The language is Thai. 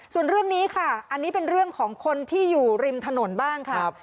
ส่วนเรื่องนี้ค่ะอันนี้เป็นเรื่องของคนที่อยู่ริมถนนบ้างค่ะ